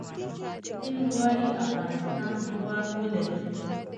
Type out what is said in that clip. هند غواړي افغانستان ثبات ولري.